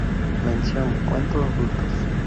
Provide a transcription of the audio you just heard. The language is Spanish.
Mención, cuento adultos.